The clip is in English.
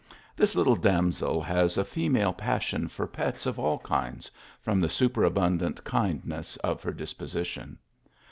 This little damsel has a female passion for pets of all kinds, from the superabundant kindness of her disposition.